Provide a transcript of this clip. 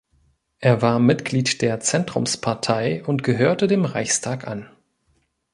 Er war Mitglied der Zentrumspartei und gehörte dem Reichstag an.